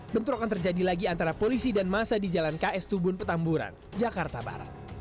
bentrokan terjadi lagi antara polisi dan masa di jalan ks tubun petamburan jakarta barat